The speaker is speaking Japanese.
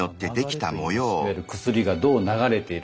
いわゆる薬がどう流れているか。